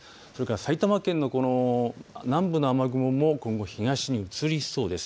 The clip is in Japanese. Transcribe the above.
埼玉県の、南部の雨雲も東に移りそうです。